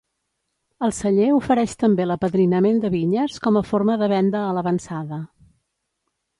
El celler ofereix també l'apadrinament de vinyes com a forma de venda a l'avançada.